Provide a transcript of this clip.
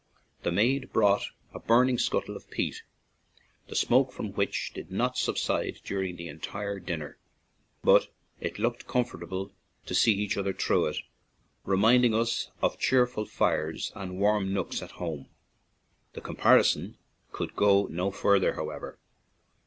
The maid brought a burning scuttle of peat, the smoke from which did not sub side during the entire dinner, but it looked comfortable, to see each other through it, reminding us of cheerful fires and warm nooks at home; the comparison could go no farther, however.